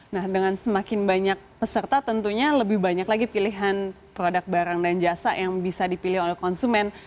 nah dengan semakin banyak peserta tentunya lebih banyak lagi pilihan produk barang dan jasa yang bisa dipilih oleh konsumen